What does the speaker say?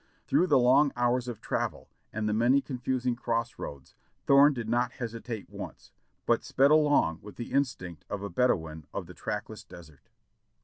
Through the long hours of travel and the many confusing cross roads Thorne did not hesitate once, but sped along with the instinct of a Bedouin of the trackless desert.